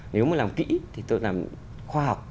nếu mà làm kỹ thì tôi làm khoa học